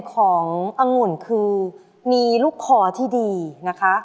ของอังุ่นคือมีลูกคอที่ดีนะคะ